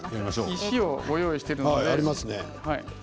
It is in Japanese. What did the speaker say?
石をご用意しています。